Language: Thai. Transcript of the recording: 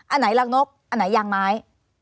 อันไหนรังนกอันไหนยางไม้